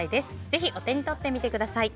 ぜひ、お手に取ってみてください。